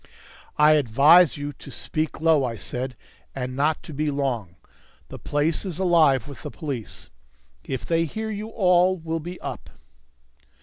"I advise you to speak low," I said, "and not to be long. The place is alive with the police. If they hear you all will be up."